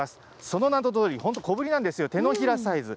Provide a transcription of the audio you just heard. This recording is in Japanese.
その名のとおり、本当、小ぶりなんですよ、手のひらサイズ。